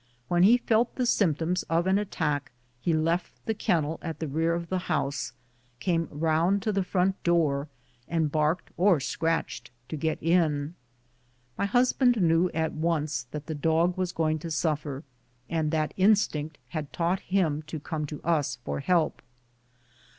When he felt the symptoms of an attack he left the kennel at the rear of the house, came round to the front door, and barked or scratched to get in. My husband knew at once that the dog was going to suffer, and that instinct had taught him to come to us for help.